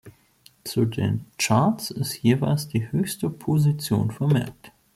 Zu den Charts ist jeweils die höchste Position vermerkt.